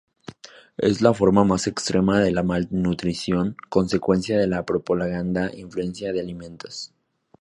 Es la forma más extrema de malnutrición, consecuencia de la prolongada insuficiencia de alimentos.